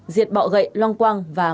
diệt bọ gậy lông quang phục vụ cá nhân